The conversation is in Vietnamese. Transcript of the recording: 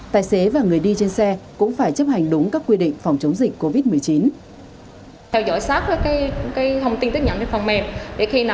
tài xế và người đi trên xe cũng phải chấp hành đúng các quy định phòng chống dịch